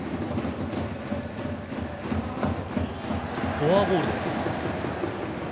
フォアボールです。